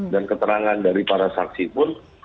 dan keterangan dari para saksi pun